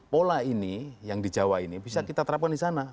pola ini yang di jawa ini bisa kita terapkan di sana